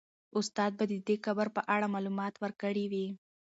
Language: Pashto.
استاد به د دې قبر په اړه معلومات ورکړي وي.